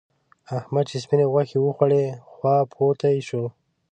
احمد چې سپينې غوښې وخوړې؛ خواپوتی شو.